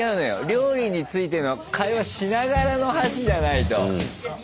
料理についての会話しながらの箸じゃないと。